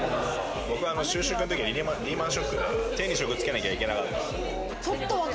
就職のときリーマン・ショックで手に職つけなきゃいけなかった。